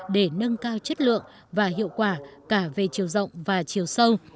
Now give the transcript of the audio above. để nâng cao chất lượng và hiệu quả cả về chiều rộng và chiều sâu